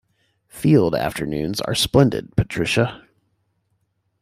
Field afternoons are splendid, Patricia.